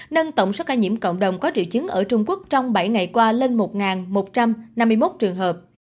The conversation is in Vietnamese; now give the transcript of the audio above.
nâng tổng số ca nhiễm cộng đồng có triệu chứng ở trung quốc trong bảy ngày qua lên một một trăm năm mươi một trường hợp